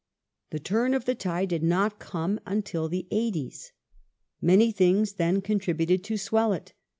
The turn of the tide did not come until the 'eighties. Many things then contributed to swell it.